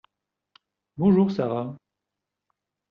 Bonjour Sara.